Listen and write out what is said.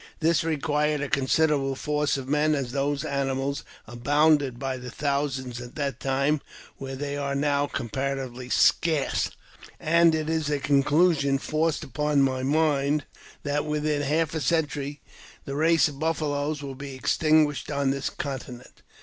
This required a considerable force of men, as thoi animals abounded by the thousand at that time where they are now comparatively scarce, and it is a conclusion forced upon my mind that within half a century the race of buffaloes will be extinguished on this continent.